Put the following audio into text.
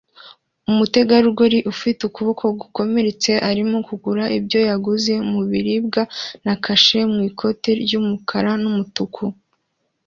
Umutegarugori ufite ukuboko gukomeretsa arimo kugura ibyo yaguze mu biribwa na kashi mu ikoti ry'umukara n'umutuku